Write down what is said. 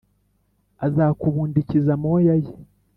azakubundikiza amoya ye,